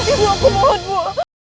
ibu aku mohon ibu